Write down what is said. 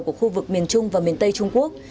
của khu vực miền trung và miền tây trung quốc